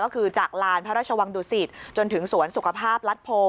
ก็คือจากลานพระราชวังดุสิตจนถึงสวนสุขภาพรัฐโพ